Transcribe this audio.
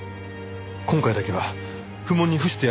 今回だけは不問に付してやるわけには。